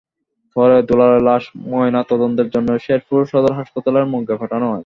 পরে দুলালের লাশ ময়নাতদন্তের জন্য শেরপুর সদর হাসপাতালের মর্গে পাঠানো হয়।